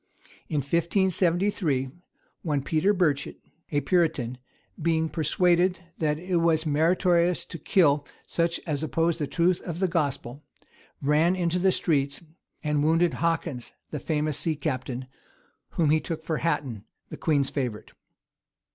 In 1573, one Peter Burchet, a Puritan, being persuaded that it was meritorious to kill such as opposed the truth of the gospel, ran into the streets, and wounded Hawkins, the famous sea captain, whom he took for Hatton, the queen's favorite.